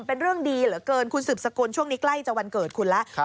เป็นเรื่องดีเหลือเกินคุณสืบสกุลช่วงนี้ใกล้จะวันเกิดคุณแล้ว